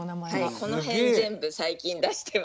この辺全部最近出してます。